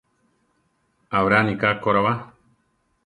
Abrani ká ko ra ba.